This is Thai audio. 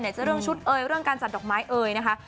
จะเรื่องชุดเอยเรื่องการจัดดอกไม้เอ่ยนะคะ